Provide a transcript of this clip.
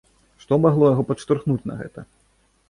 Што магло яго падштурхнуць на гэта?